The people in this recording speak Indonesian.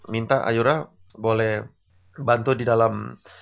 minta ayora boleh bantu di dalam